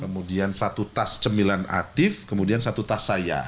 kemudian satu tas cemilan atif kemudian satu tas saya